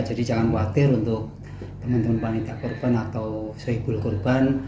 jadi jangan khawatir untuk teman teman panitia kurban atau seibul kurban